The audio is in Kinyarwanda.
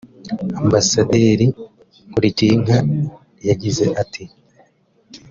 Ambasaderi Nkulikiyinka yagize ati